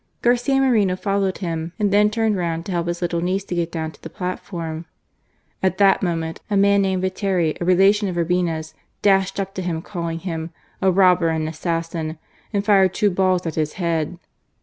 Garcia Moreno followed him, and then turned round to help his little niece to get down to the platform. At that moment a man named Viteri, a relation of Urbina's, dashed up to him .calling him " a robber and an assassin," and fired two balls at his head.